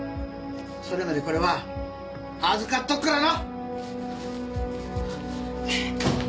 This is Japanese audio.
それまでこれは預かっとくからな！